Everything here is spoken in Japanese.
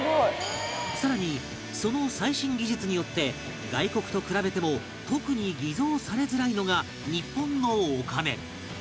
更にその最新技術によって外国と比べても特に偽造されづらいのが日本のお金